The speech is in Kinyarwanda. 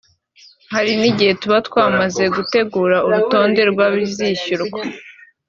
Hari n’igihe tuba twamaze gutegura urutonde rw’abazishyurwa